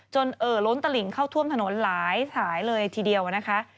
เอ่อล้นตลิงเข้าท่วมถนนหลายสายเลยทีเดียวนะคะ